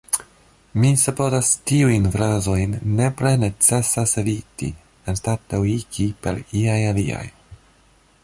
Mi supozas, tiujn frazojn nepre necesas eviti, anstataŭigi per iaj aliaj.